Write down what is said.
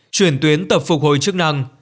chuyển tuyến tập phục hồi chức năng